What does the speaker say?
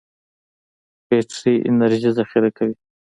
بټري انرژي ذخیره کوي.